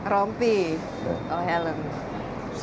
rompi pemanasan helm dan